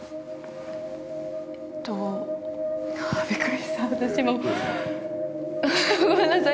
えっとびっくりした私も。ごめんなさい。